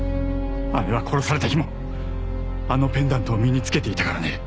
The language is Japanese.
姉は殺された日もあのペンダントを身に着けていたからね。